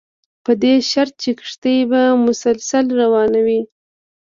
په دې شرط چې کښتۍ به مسلسله روانه وي.